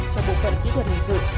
cho bộ phận kỹ thuật hình sự